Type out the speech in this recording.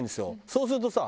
そうするとさ。